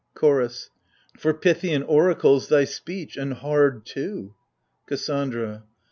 CHOROS. For Puthian oracles, thy speech, and hard too ! KASSANDRA.